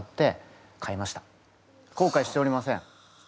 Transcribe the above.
後悔しておりません。